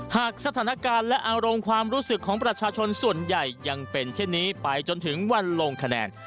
หากสถานการณ์และอารมณ์ความรู้สึกของประชาชนส่วนใหญ่ยังเป็นเช่นนี้ไปจนถึงวันลงคะแนน